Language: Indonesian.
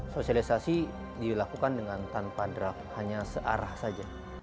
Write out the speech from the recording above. sosialisasi dilakukan dengan tanpa draft hanya searah saja